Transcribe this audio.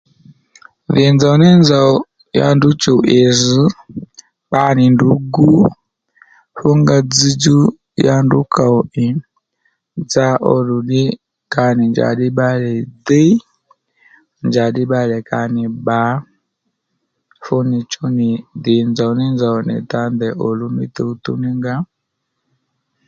Dhì nzòw ní nzòw ya ndrǔ chùw ì zz kpa nì ndrǔ gǔ fúnga dzzdjú ya ndrǔ kow ì dza ó ddù ddí kanì njàddí bbalè ddǐy njà ddí bbalè kanì bbǎ fú nì chú nì dhì nzò ní nzòw nì ddǎ ndèy òluw nì túwtúw ní nga